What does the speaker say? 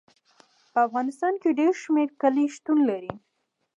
په افغانستان کې ډېر شمیر کلي شتون لري.